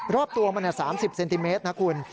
รอบตัวมัน๓๐เซนติเมตรนะคุณ